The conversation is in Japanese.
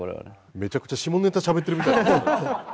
めちゃくちゃ下ネタしゃべってるみたい。